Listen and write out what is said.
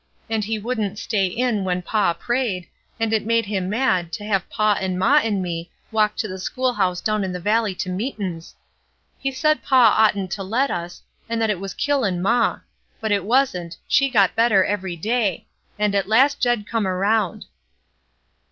And he wouldn't stay in when paw prayed, and it made him mad to have paw and maw and me walk to the schoolhouse down in the valley to meetin's; he said paw oughtn't to let us, and that it was kilhn' maw; but it wasn't, she got better every day; and at last Jed come around."